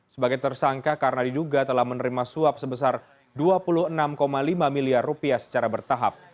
sebagai tersangka karena diduga telah menerima suap sebesar rp dua puluh enam lima miliar rupiah secara bertahap